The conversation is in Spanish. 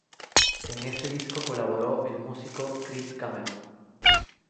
En este disco colaboró el músico Chris Cameron.